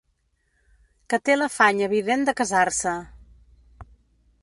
Que té l'afany evident de casar-se.